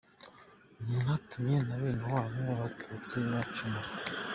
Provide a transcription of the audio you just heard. Mwatumye na bene wanyu b’abatutsi bacumura.